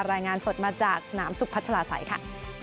รายงานสดมาจากสนามสุพัชลาศัยค่ะ